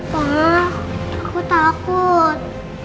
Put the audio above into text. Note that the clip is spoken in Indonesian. pak aku takut